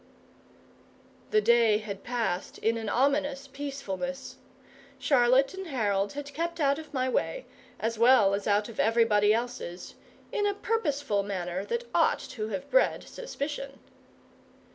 The day had passed in an ominous peacefulness. Charlotte and Harold had kept out of my way, as well as out of everybody else's, in a purposeful manner that ought to have bred suspicion.